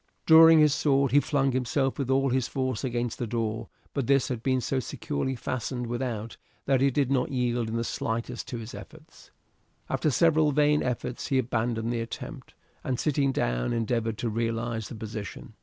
Drawing his sword he flung himself with all his force against the door, but this had been so securely fastened without that it did not yield in the slightest to his efforts. After several vain efforts he abandoned the attempt, and sitting down endeavoured to realize the position.